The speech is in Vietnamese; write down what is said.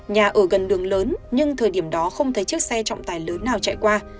nhà ở gần đường lớn nhưng thời điểm đó không thấy chiếc xe trọng tài lớn nào chạy qua